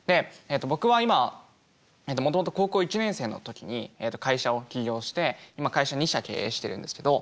僕は今もともと高校１年生の時に会社を起業して今会社２社経営してるんですけど。